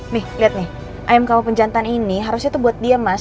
nih liat nih ayam kawa penjantan ini harusnya tuh buat dia mas